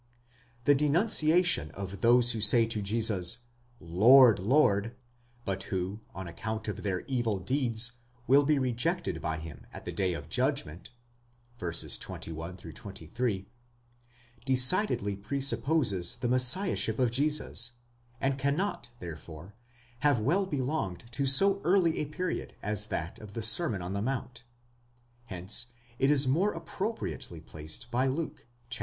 The denunciation of those who say to Jesus, Lord, Lord, but who, on account of their evil deeds will be rejected by him at the day of judgment (21 23), decidedly presupposes the Messiahship of Jesus, and can not therefore, have well belonged to so early a period as that of the Sermon on the Mount; hence it is more appropriately placed by Luke (xiii.